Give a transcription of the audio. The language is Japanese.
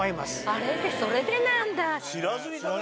あれってそれでなんだ